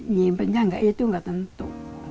nyimpennya nggak itu nggak tentu